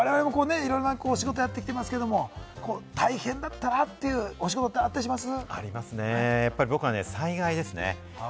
我々もこう仕事をやってきていますけれども、大変だったなというお仕事ってあったりします？